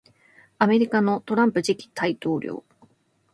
米国のトランプ次期大統領